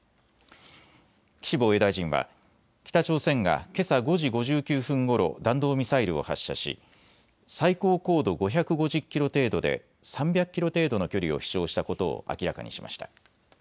岸防衛大臣は北朝鮮がけさ５時５９分ごろ弾道ミサイルを発射し最高高度５５０キロ程度で３００キロ程度の距離を飛しょうしたことを明らかにしました。